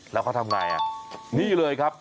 แล้วเขาทำอย่างไรนี่เลยครับ